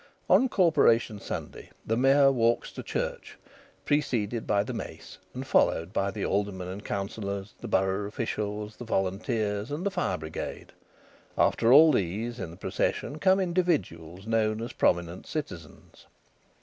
On Corporation Sunday the mayor walks to church, preceded by the mace, and followed by the aldermen and councillors, the borough officials, the Volunteers and the Fire Brigade; after all these, in the procession, come individuals known as prominent citizens.